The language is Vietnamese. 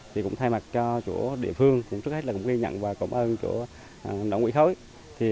thì cũng thay mặt cho chủ địa phương trước hết là cũng ghi nhận và cảm ơn chủ đảng ủy khối